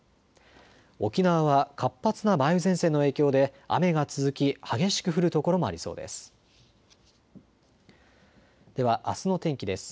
沖縄は活発な梅雨前線の影響で雨が続き激しく降る所もありそうです。